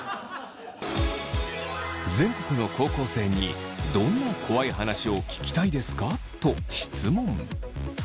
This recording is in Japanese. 全国の高校生に「どんな怖い話を聞きたいですか？」と質問。